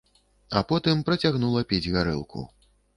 А потым працягнула піць гарэлку.